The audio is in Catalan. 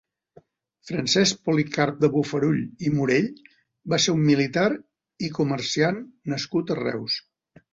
Francesc Policarp de Bofarull i Morell va ser un militar i comeriant nascut a Reus.